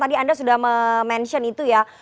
tadi anda sudah mention itu ya